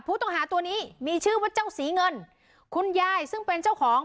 ผู้ต้องหาตัวนี้มีชื่อว่าเจ้าสีเงินคุณยายซึ่งเป็นเจ้าของ